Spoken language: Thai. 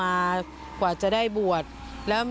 ไม่อยากให้มองแบบนั้นจบดราม่าสักทีได้ไหม